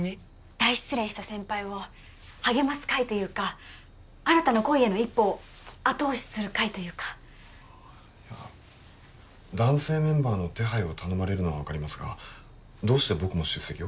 大失恋した先輩を励ます会というか新たな恋への一歩を後押しする会というか男性メンバーの手配を頼まれるのは分かりますがどうして僕も出席を？